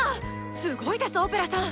すごいですオペラさん！